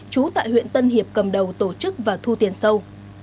trú tại huyện tân hiệp cầm đầu tổ chức và thu tiền sâu